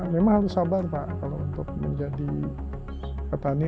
memang harus sabar pak kalau untuk menjadi petani